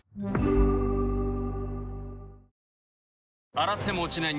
洗っても落ちない